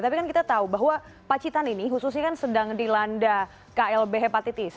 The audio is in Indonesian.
tapi kan kita tahu bahwa pacitan ini khususnya kan sedang dilanda klb hepatitis